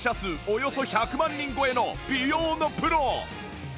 およそ１００万人超えの美容のプロ！